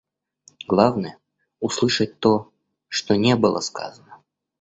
Главное — услышать то, что не было сказано.